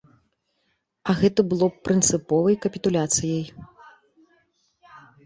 Але гэта было б прынцыповай капітуляцыяй!